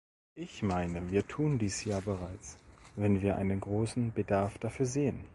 Ich meine, wir tun dies ja bereits, wenn wir einen großen Bedarf dafür sehen.